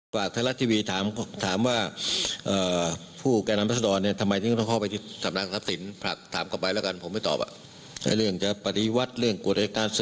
อหาวในเมื่อผมไม่ประกาศแล้วใครจะประกาศ